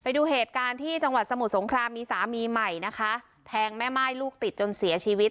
ไปดูเหตุการณ์ที่จังหวัดสมุทรสงครามมีสามีใหม่นะคะแทงแม่ม่ายลูกติดจนเสียชีวิต